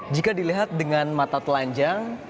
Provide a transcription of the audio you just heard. jika dilihat dengan mata telanjang